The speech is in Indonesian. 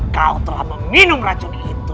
kau telah meminum racun itu